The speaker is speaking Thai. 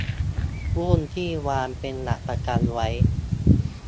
หุ้นที่วางเป็นหลักประกันไว้